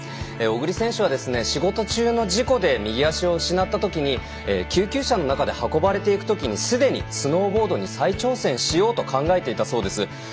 小栗選手は仕事中の事故で右足を失ったときに救急車の中で運ばれていくときにすでにスノーボードに再挑戦しようと考えていたそうです。